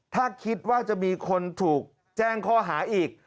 ถ้าคิดว่าจะมีคนถูกแจ้งข้อหาอีก